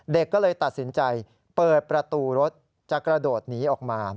เด็กก็เลยตัดสินใจเปิดประตูรถจะกระโดดหนีออกมา